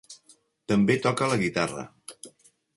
També toca la guitarra.